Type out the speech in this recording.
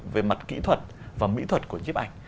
về mặt kỹ thuật và mỹ thuật của nhiếp ảnh